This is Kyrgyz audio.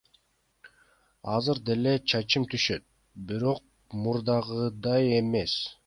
Азыр деле чачым түшөт, бирок мурдагыдай эмес.